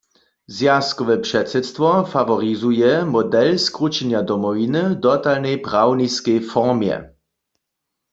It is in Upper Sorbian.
Zwjazkowe předsydstwo faworizuje model skrućenja Domowiny w dotalnej prawniskej formje.